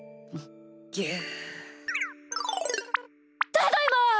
ただいま！